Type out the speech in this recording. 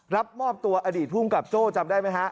รับมอบตัวอดีตภูมิกับโจ้จำได้ไหมฮะ